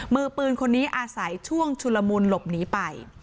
มือปืนคนนี้อาศัยช่วงชุลมุนหลบหนีไป